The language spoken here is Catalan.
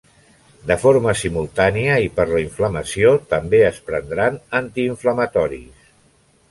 De forma simultània i per la inflamació també es prendran antiinflamatoris.